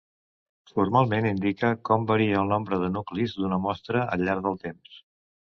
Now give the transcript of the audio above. Formalment indica com varia el nombre de nuclis d'una mostra al llarg del temps.